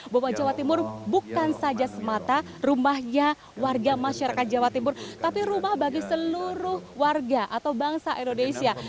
bahwa jawa timur bukan saja semata rumahnya warga masyarakat jawa timur tapi rumah bagi seluruh warga atau bangsa indonesia